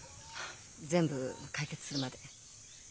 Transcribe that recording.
全部解決するまで。